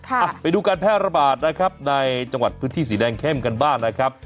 ไปดูการแพร่ระบาดนะครับในจังหวัดพื้นที่สีแดงเข้มกันบ้างนะครับ